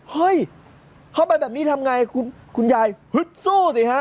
เฮ้ยเข้าไปแบบนี้ทำไงคุณยายฮึดสู้สิฮะ